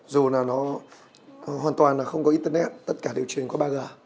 dù là nó hoàn toàn là không có internet tất cả đều truyền qua ba g